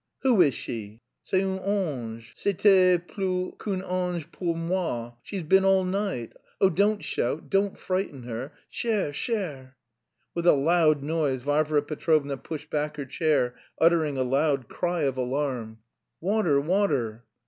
"Who is she?" "C'est un ange; c'était plus qu'un ange pour moi. She's been all night... Oh, don't shout, don't frighten her, chère, chère..." With a loud noise, Varvara Petrovna pushed back her chair, uttering a loud cry of alarm. "Water, water!"